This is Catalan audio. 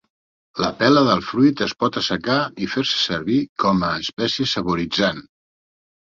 La pela del fruit es pot assecar i fer-se servir com espècia saboritzant.